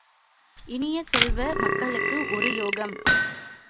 இனிய செல்வ, மக்களுக்கு ஒரு யோகம்?